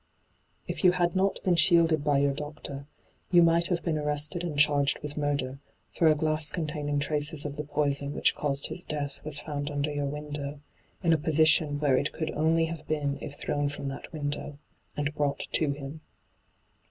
' If you had not been shielded by your doctor, you might have been arrested and charged with murder, for a glass containing traces of the poison which caused his death was found under your window, in a position where it could only have been if thrown from that window, and brought to him.